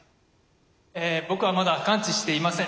僕はまだ完治していません。